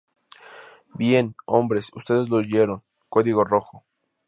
Bien, hombres. Ustedes lo oyeron. ¡ código rojo!